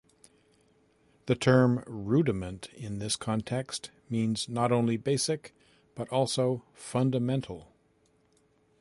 The term "rudiment" in this context means not only "basic", but also "fundamental".